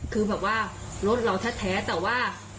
คือแบบว่ารถเราแท้แต่ว่า